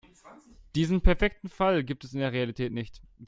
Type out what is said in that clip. Diesen perfekten Fall gibt es in der Realität nicht.